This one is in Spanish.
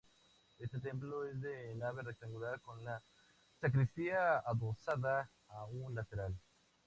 Este templo es de nave rectangular con la sacristía adosada a un lateral.